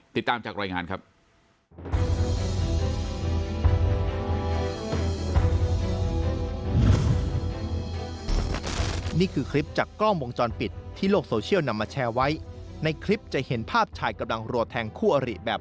ติดตามจากรายงานครับ